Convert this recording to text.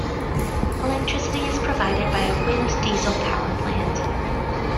Electricity is provided by a wind-diesel power plant.